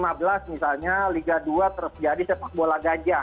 dua ribu lima belas misalnya liga dua terjadi sepak bola gajah